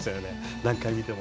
何回見ても。